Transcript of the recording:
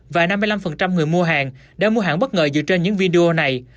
và năm mươi năm người mua hàng đã mua hàng bất ngờ dựa trên những video này